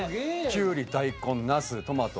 きゅうり大根なすトマト